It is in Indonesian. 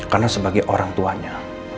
karena sebagai orang tuanya